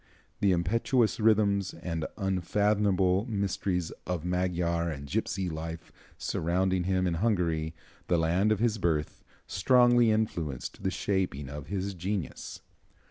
The impetuous rhythms and unfathomable mysteries of Magyar and gipsy life surrounding him in Hungary, the land of his birth, strongly influenced the shaping of his genius.